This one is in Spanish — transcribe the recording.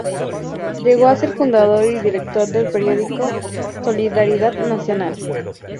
Llegó a ser fundador y director del periódico "Solidaridad Nacional".